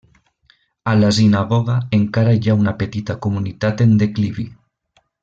A la sinagoga encara hi ha una petita comunitat en declivi.